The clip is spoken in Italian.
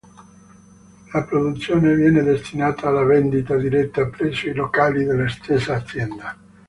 La produzione viene destinata alla vendita diretta, presso i locali della stessa azienda.